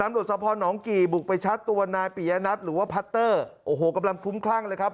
หรือว่าพัตเตอร์โอ้โหกำลังพุ้งคลั่งเลยครับ